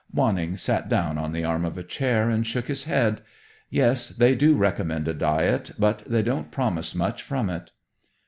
Wanning sat down on the arm of a chair and shook his head. "Yes, they do recommend a diet, but they don't promise much from it."